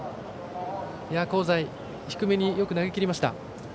香西、低めによく投げきりました。